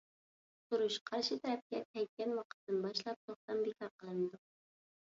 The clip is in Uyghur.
ئۇقتۇرۇش قارشى تەرەپكە تەگكەن ۋاقىتتىن باشلاپ توختام بىكار قىلىنىدۇ.